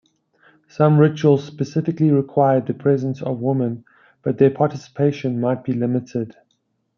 Some rituals specifically required the presence of women, but their participation might be limited.